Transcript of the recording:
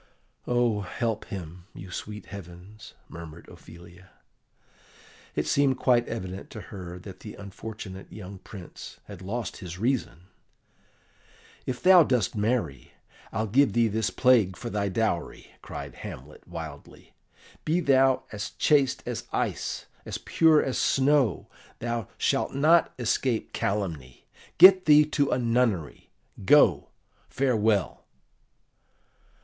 "Oh, help him, you sweet heavens!" murmured Ophelia. It seemed quite evident to her that the unfortunate young Prince had lost his reason. "If thou dost marry, I'll give thee this plague for thy dowry," cried Hamlet wildly: "be thou as chaste as ice, as pure as snow, thou shalt not escape calumny. Get thee to a nunnery. Go; farewell!"